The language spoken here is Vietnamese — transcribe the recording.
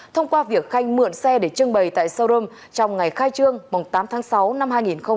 thông qua việc khanh mượn xe để trưng bày tại showroom trong ngày khai trương mùng tám tháng sáu năm hai nghìn hai mươi